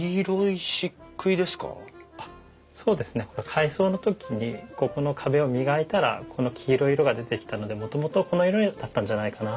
改装の時にここの壁を磨いたらこの黄色い色が出てきたのでもともとこの色だったんじゃないかな。